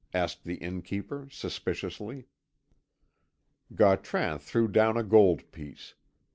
asked the innkeeper suspiciously. Gautran threw down a gold piece.